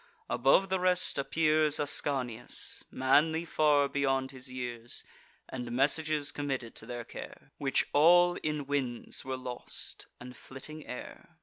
Above the rest appears Ascanius, manly far beyond his years, And messages committed to their care, Which all in winds were lost, and flitting air.